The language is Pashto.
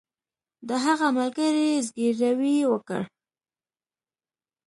د هغه ملګري زګیروی وکړ